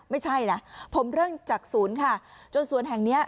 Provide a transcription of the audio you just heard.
ไม่ใช่นะผมเริ่มจากศูนย์ค่ะจนสวนแห่งเนี้ย